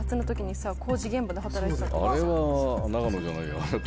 あれは長野じゃないよ。